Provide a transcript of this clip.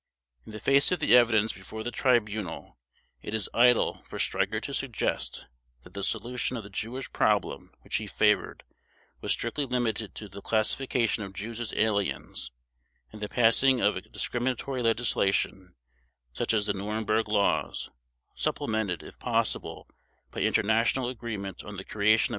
In the face of the evidence before the Tribunal it is idle for Streicher to suggest that the solution of the Jewish problem which he favored was strictly limited to the classification of Jews as aliens, and the passing of discriminatory legislation such as the Nuremberg Laws, supplemented if possible by international agreement on the creation of a Jewish State somewhere in the world, to which all Jews should emigrate.